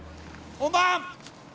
・本番！